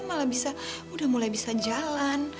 malah bisa udah mulai bisa jalan